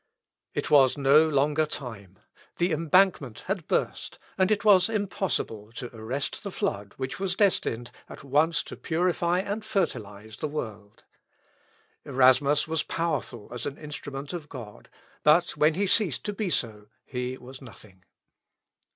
It was no longer time. The embankment had burst, and it was impossible to arrest the flood which was destined at once to purify and fertilise the world. Erasmus was powerful as an instrument of God, but when he ceased to be so, he was nothing.